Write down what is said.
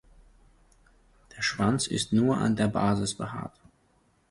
Der Schwanz ist nur an der Basis behaart.